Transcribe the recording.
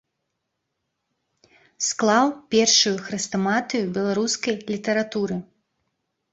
Склаў першую хрэстаматыю беларускай літаратуры.